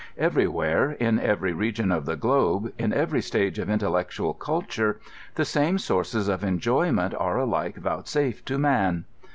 Every where, in ev ery region of the globe, in every stage of intellectual culture, the same sources of enjoyment are alike vouchsafed to man.